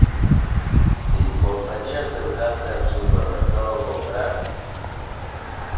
¿Te importaría acercarte al supermercado a comprar?